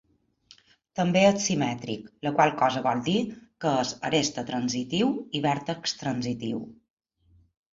També és simètric, la qual cosa vol dir que és aresta-transitiu i vèrtex-transitiu.